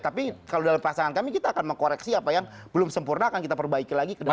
tapi kalau dalam pasangan kami kita akan mengkoreksi apa yang belum sempurna akan kita perbaiki lagi ke depan